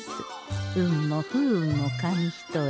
運も不運も紙一重。